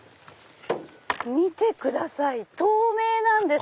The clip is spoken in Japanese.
見てください透明なんです。